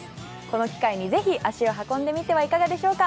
この機会ぜひ足を運んでみてはいかがでしょうか。